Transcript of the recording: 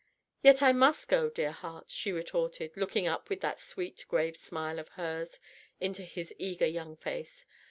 "Yet I must go, dear heart," she retorted, looking up with that sweet, grave smile of hers into his eager young face.